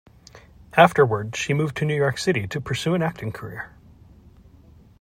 Afterwards, she moved to New York City to pursue an acting career.